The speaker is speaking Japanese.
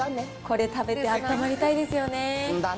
これ食べてあったまりたいですよね。